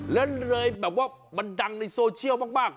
แล้วเลยแบบว่ามันดังในโซเชียลมาก